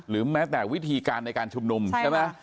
แม้แต่วิธีการในการชุมนุมใช่ไหม